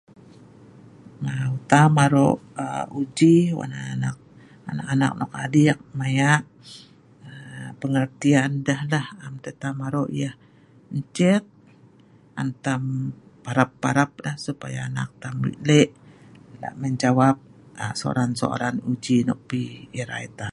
Mau tam aro' aa uji wan anak anak nok adik maya aaa pengertian deh deh, am tah tam aro' yah encet, supaya deh parap jawab soalan soalan nok irai tam wan deh.